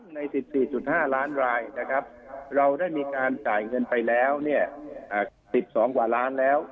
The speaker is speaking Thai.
ใน๑๔๕ล้านรายนะครับเราได้มีการจ่ายเงินไปแล้ว๑๒กว่าล้านแล้ว